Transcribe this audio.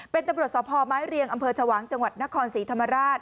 เป็นตำรวจสพไม้เรียงอำเภอชวางจังหวัดนครศรีธรรมราช